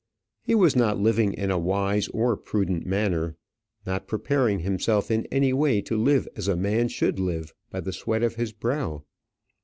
He was not living in a wise or prudent manner; not preparing himself in any way to live as a man should live by the sweat of his brow.